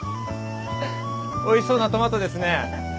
おいしそうなトマトですね。